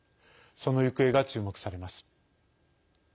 その行方が注目されます。